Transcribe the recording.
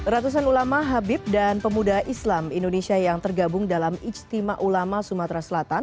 ratusan ulama habib dan pemuda islam indonesia yang tergabung dalam ijtima ulama sumatera selatan